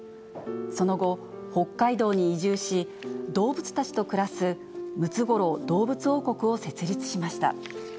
その後、北海道に移住し、動物たちと暮らす、ムツゴロウ動物王国を設立しました。